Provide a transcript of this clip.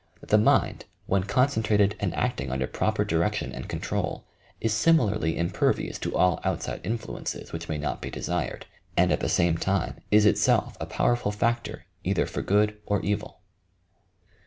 The mind, when concentrated and acting under proper direction and control, is similarly im pervious to all outside influences which may not be de sired; and at the same time is itself a powerful factor either for good or evil.